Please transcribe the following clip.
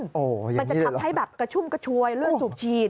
มันจะทำให้แบบกระชุ่มกระชวยเลือดสูบฉีด